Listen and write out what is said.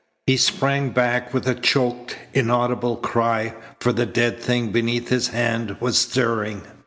He sprang back with a choked, inaudible cry, for the dead thing beneath his hand was stirring.